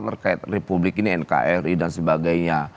terkait republik ini nkri dan sebagainya